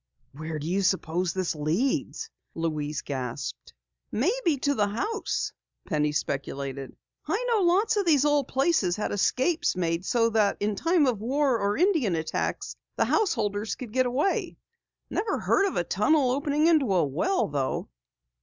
"Where do you suppose this leads?" Louise gasped. "Maybe to the house," Penny speculated. "I know lots of these old places had escapes made so that in time of war or Indian attacks, the householders could get away. Never heard of a tunnel opening into a well though!"